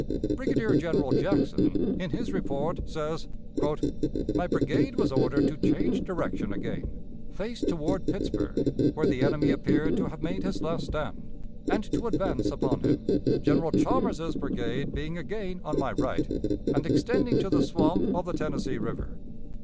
Brigadier General Jackson, in his report, says: "My brigade was ordered to change direction again, face toward Pittsburg, where the enemy appeared to have made his last stand, and to advance upon him, General Chalmers's brigade being again on my right, and extending to the swamp of the Tennessee River.